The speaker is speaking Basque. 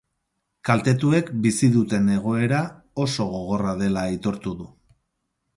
Kaltetuek bizi duten egoera oso gogorra dela aitortu du.